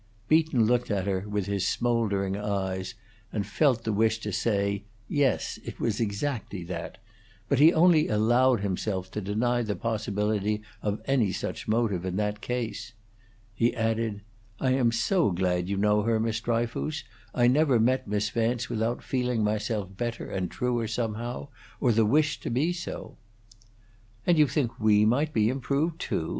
Beaton looked at her with his smouldering eyes, and felt the wish to say, "Yes, it was exactly that," but he only allowed himself to deny the possibility of any such motive in that case. He added: "I am so glad you know her, Miss Dryfoos. I never met Miss Vance without feeling myself better and truer, somehow; or the wish to be so." "And you think we might be improved, too?"